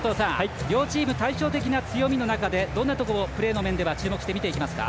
両チーム、対照的な強みの中でどんなところをプレーの面では注目して、見ていきますか？